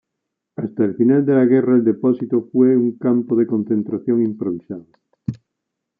Hasta el final de la guerra el depósito fue un campo de concentración improvisado.